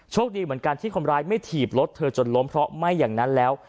ดีเหมือนกันที่คนร้ายไม่ถีบรถเธอจนล้มเพราะไม่อย่างนั้นแล้ว